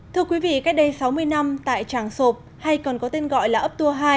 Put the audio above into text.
thưa quý vị cách đây sáu mươi năm tại tràng sộp hay còn có tên gọi là ấp tour hai